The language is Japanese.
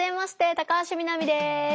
高橋みなみです。